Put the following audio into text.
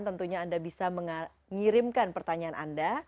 tentunya anda bisa mengirimkan pertanyaan anda